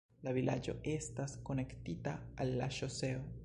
La vilaĝo estas konektita al la ŝoseo.